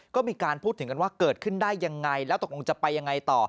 ก็มีการพูดถึงกันว่าเกิดขึ้นได้ยังไงแล้วตกลงจะไปยังไงต่อ